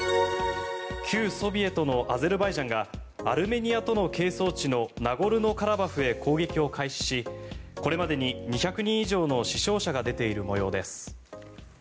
旧ソビエトのアゼルバイジャンがアルメニアとの係争地のナゴルノカラバフへ攻撃を開始しこれまでに２００人以上の死傷者が出ている模様です。